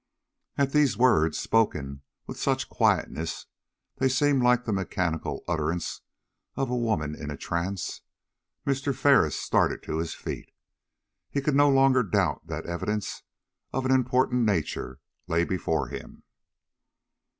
At these words, spoken with such quietness they seemed like the mechanical utterances of a woman in a trance, Mr. Ferris started to his feet. He could no longer doubt that evidence of an important nature lay before him.